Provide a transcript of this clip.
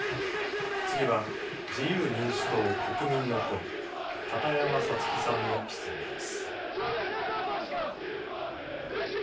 次は自由民主党・国民の声、片山さつきさんの質問です。